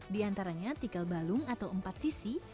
di antaranya tikal balung atau empat sisi